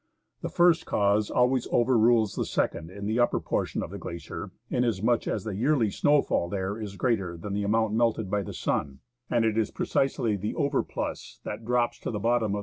The first cause always over rules the second in the upper portion of the glacier, inasmuch as the yearly snowfall there is greater than the amount melted by the sun, and it is precisely the overplus that drops 35 THE ASCENT OF MOUNT ST.